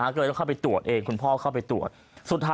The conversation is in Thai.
ก็เลยเข้าไปตรวจเองคุณพ่อเข้าไปตรวจ